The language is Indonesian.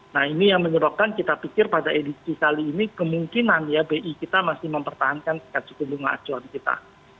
nah ini yang menyebabkan kita pikir pada edisi kali ini kemungkinan ya bi kita masih mempertahankan tingkat suku bunga acuan kita